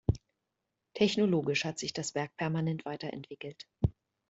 Technologisch hat sich das Werk permanent weiter entwickelt.